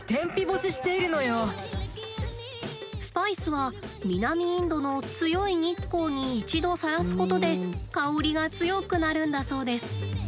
スパイスは南インドの強い日光に一度さらすことで香りが強くなるんだそうです。